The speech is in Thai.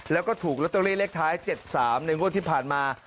แล้วก็ถูกลอตเตอรี่เลขท้าย๗๓ในงวดที่ผ่านมา